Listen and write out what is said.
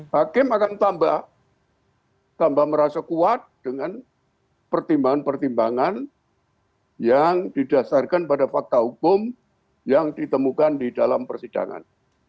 hakim akan tambah merasa kuat dengan pertimbangan pertimbangan yang didasarkan pada fakta hukum yang ditemukan di dalam persidangan